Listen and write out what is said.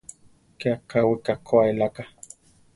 Ké akáwika koá eláka.